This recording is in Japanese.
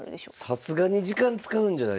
さすがに時間使うんじゃないですか？